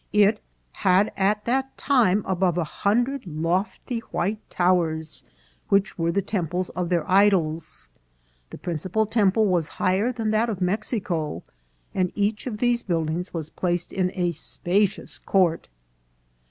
It " had at that time above a hundred lofty white towers, which were the temples of their idols. The principal temple was higher than that of Mexico, and each of these buildings was placed in a spacious court."